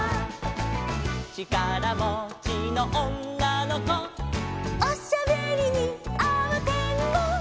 「ちからもちのおんなのこ」「おしゃべりにあわてんぼ」